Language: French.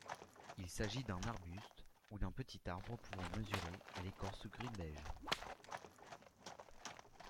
Il s'agit d'un arbuste ou d'un petit arbre pouvant mesurer à l'écorce gris-beige.